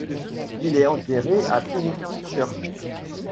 Il est enterré à Trinity Church.